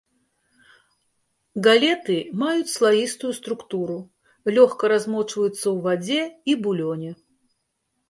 Галеты маюць слаістую структуру, лёгка размочваюцца ў вадзе і булёне.